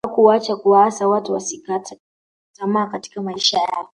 hakuacha kuwaasa watu wasikate tamaa katika maisha yao